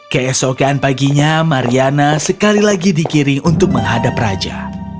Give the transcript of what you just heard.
keesokan paginya mariana sekali lagi dikiring untuk menghadap raja